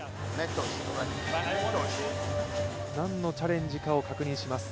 何のチャレンジかを確認します。